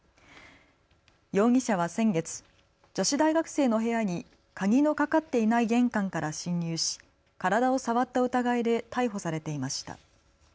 容疑者は先月女子大学生の部屋に鍵のかかっていない玄関から侵入し体を触った疑いで逮捕されていました。